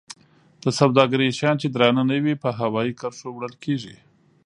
د سوداګرۍ شیان چې درانه نه وي په هوایي کرښو وړل کیږي.